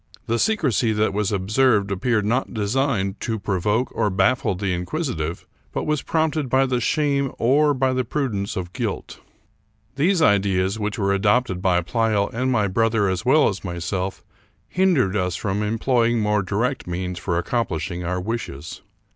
The secrecy that was observed appeared not designed to provoke or haffie the inquisitive, but was prompted by the shame or by the prudence of guilt. These ideas, which were adopted by Pleyel and my brother as well as myself, hindered us from employing more direct means for accomplishing our wishes.